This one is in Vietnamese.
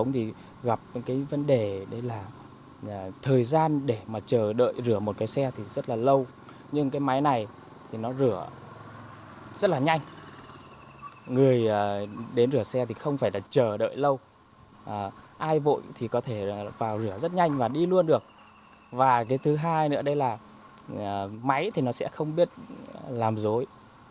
vì vậy máy sẽ không biết làm dối